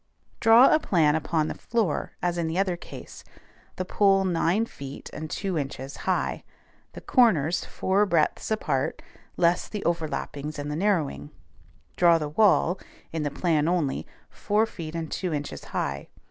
Draw a plan upon the floor as in the other case; the pole nine feet and two inches high, the corners four breadths apart less the overlappings and the narrowing; draw the wall (in the plan only) four feet and two inches high.